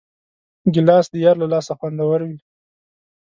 ګیلاس د یار له لاسه خوندور وي.